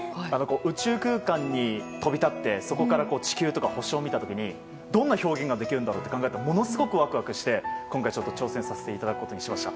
宇宙空間に飛び立ってそこから地球とか星を見た時にどんな表現ができるんだろうって考えたらものすごくワクワクして今回、挑戦させていただくことにしました。